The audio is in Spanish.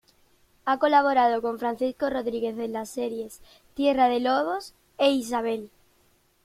Ha colaborado con Francisco Rodríguez en las series Tierra de lobos e Isabel.